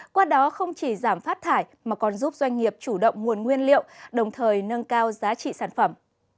qua đó không chỉ giảm phát thải mà còn giúp doanh nghiệp chủ động nguồn nguyên liệu đồng thời nâng cao giá trị sản phẩm